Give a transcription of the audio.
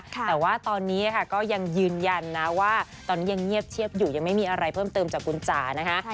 แต่ว่าตอนนี้ค่ะก็ยังยืนยันนะว่าตอนนี้ยังเงียบเชียบอยู่ยังไม่มีอะไรเพิ่มเติมจากคุณจ๋านะคะ